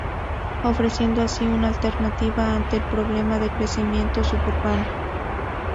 Ofreciendo así, una alternativa ante el problema de crecimiento suburbano.